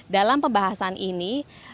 dalam pembahasan ini